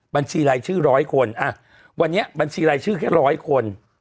บัญชีไรชื่อ๑๐๐คนอ่ะวันนี้บัญชีไรชื่อแค่๑๐๐คน